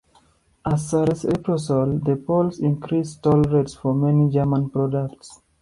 As a reprisal, the Poles increased toll rates for many German products.